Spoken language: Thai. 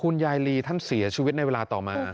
ยายลีท่านเสียชีวิตในเวลาต่อมา